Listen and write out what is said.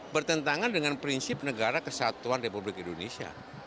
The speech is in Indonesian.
bertentangan dengan prinsip negara kesatuan republik indonesia